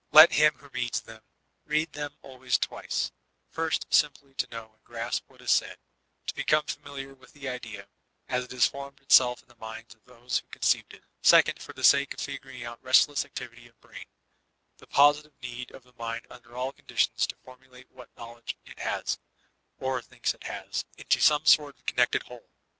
Let him who reads them, read them always twice; first, simply to know and grasp what is said, to become familiar with the idea as it formed itself in the minds of those who con ceived it; second, for the sake of figuring the restless activity of brain, the positive need of the mind under aU conditions to formulate what knowledge it has, or thinks it has, into some sort of connected whde.